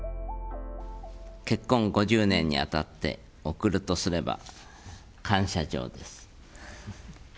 結婚５０年にあたって、贈るとすれば感謝状です。